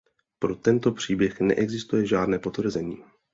Pro tento příběh neexistuje žádné potvrzení.